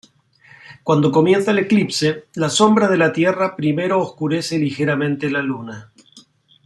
Cuando comienza el eclipse, la sombra de la Tierra primero oscurece ligeramente la Luna.